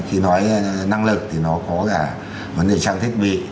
khi nói năng lực thì nó có cả vấn đề trang thiết bị